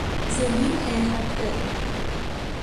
ذلیل ہے ہٹ کر